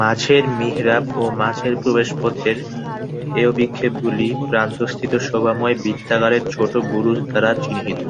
মাঝের মিহরাব ও মাঝের প্রবেশপথের এ অভিক্ষেপগুলি প্রান্তস্থিত শোভাময় বৃত্তাকারের ছোট বুরুজ দ্বারা চিহ্নিত।